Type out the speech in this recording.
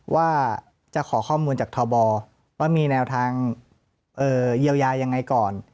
ว่าจะขอข้อมูลจากทบว่ามีแนวทางเยียวยายังไงก่อน